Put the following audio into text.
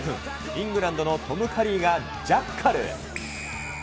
イングランドのトム・カリーがジャッカル。